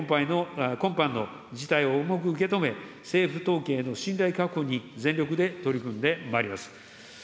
今般の事態を重く受け止め、政府統計の信頼確保に全力で取り組んでまいります。